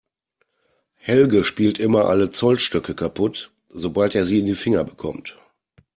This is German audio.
Helge spielt immer alle Zollstöcke kaputt, sobald er sie in die Finger bekommt.